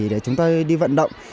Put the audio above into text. để chúng ta đi vận động